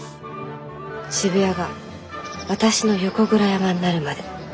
渋谷が私の横倉山になるまで。